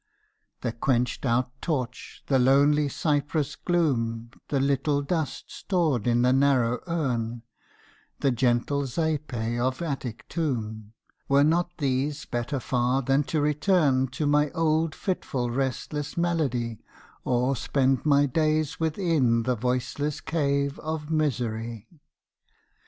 The quenched out torch, the lonely cypress gloom, The little dust stored in the narrow urn, The gentle ΧΑΙΡΕ of the Attic tomb,— Were not these better far than to return To my old fitful restless malady, Or spend my days within the voiceless cave of misery?